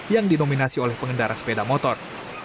yang dinominasi oleh pengendara sepeda motor